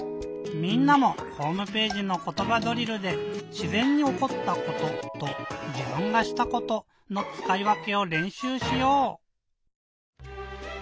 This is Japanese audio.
みんなもホームページの「ことばドリル」で「しぜんにおこったこと」と「じぶんがしたこと」のつかいわけをれんしゅうしよう！